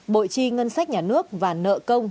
bội trì ngân sách nhà nước và nợ công